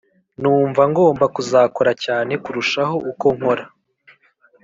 numva ngomba kuzakora cyane kurushaho uko nkora,